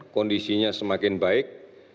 kondisinya semakin baik